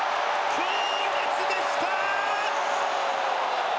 強烈でした。